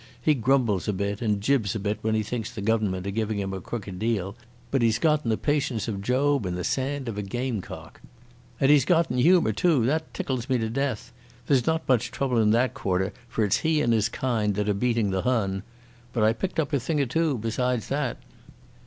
He grumbles a bit and jibs a bit when he thinks the Government are giving him a crooked deal, but he's gotten the patience of Job and the sand of a gamecock. And he's gotten humour too, that tickles me to death. There's not much trouble in that quarter for it's he and his kind that's beating the Hun.... But I picked up a thing or two besides that."